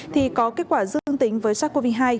thì có kết quả dương tính với sars cov hai